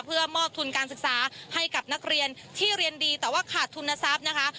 เพื่อมอบทุนการศึกษาให้กับนักเรียนที่เรียนดีแต่ว่าขาดทุนทรัพย์นะคะ